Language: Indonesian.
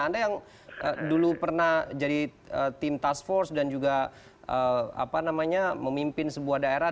anda yang dulu pernah jadi tim task force dan juga memimpin sebuah daerah